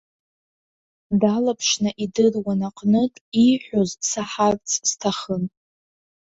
Далаԥшны идыруан аҟнытә, ииҳәоз саҳарц сҭахын.